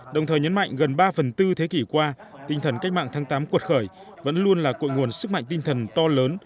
đồng thời nhấn mạnh gần ba phần tư thế kỷ qua tinh thần cách mạng tháng tám cuột khởi vẫn luôn là cội nguồn sức mạnh tinh thần to lớn